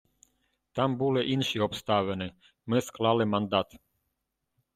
Там були інші обставини, ми склали мандат.